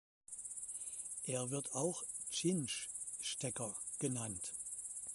Er wird auch Cinch-Stecker genannt.